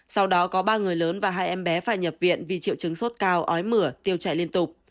sau đó có ba người lớn và hai em bé phải nhập viện vì triệu chứng sốt cao ói mửa tiêu chảy liên tục